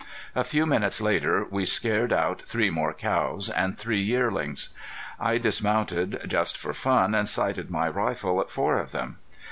A few minutes later we scared out three more cows and three yearlings. I dismounted just for fun, and sighted my rifle at four of them.